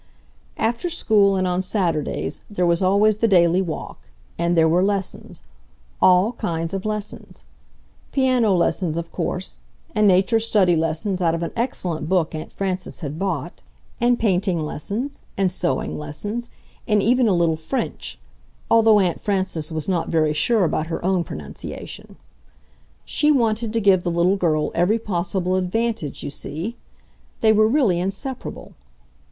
After school and on Saturdays there was always the daily walk, and there were lessons, all kinds of lessons—piano lessons of course, and nature study lessons out of an excellent book Aunt Frances had bought, and painting lessons, and sewing lessons, and even a little French, although Aunt Frances was not very sure about her own pronunciation. She wanted to give the little girl every possible advantage, you see. They were really inseparable.